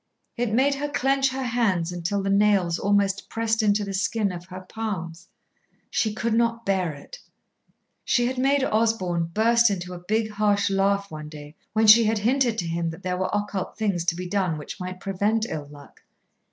It made her clench her hands until the nails almost pressed into the skin of her palms. She could not bear it. She had made Osborn burst into a big, harsh laugh one day when she had hinted to him that there were occult things to be done which might prevent ill luck.